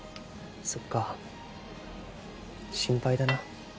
そっか心配だな。